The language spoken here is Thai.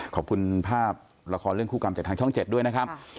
ขอบคุณภาพละครเรื่องคู่กรรมจากทางช่อง๗ด้วยนะครับ